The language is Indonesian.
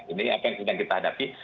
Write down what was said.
ini apa yang sedang kita hadapi